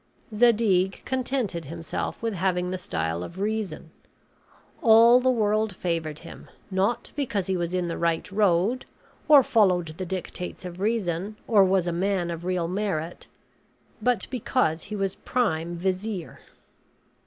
Zadig contented himself with having the style of reason. All the world favored him, not because he was in the right road or followed the dictates of reason, or was a man of real merit, but because he was prime vizier.